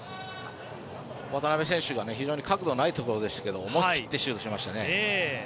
渡辺選手が角度がないところでしたが思い切ってシュートしましたね。